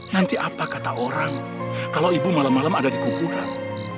nanti apa kata orang kalau ibu malam malam ada di kuburan